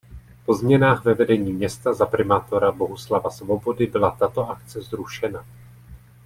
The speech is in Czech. Po změnách ve vedení města za primátora Bohuslava Svobody byla tato akce zrušena.